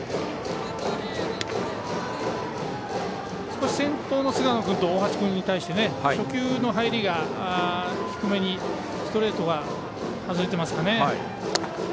少し先頭の菅野君と大橋君に対して初球の入りが低めにストレートが外れてますかね。